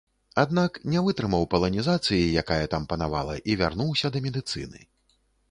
Аднак не вытрымаў паланізацыі, якая там панавала, і вярнуўся да медыцыны.